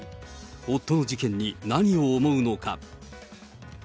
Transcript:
夫の事件に何を思うのか。